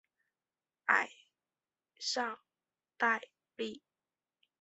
埃尚代利。